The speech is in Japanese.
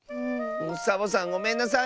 サボさんごめんなさい！